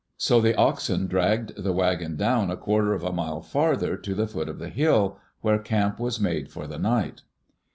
So the oxen dragged the wagon down a quarter of a mile farther to the foot of the hill, where camp was made for the ni^t.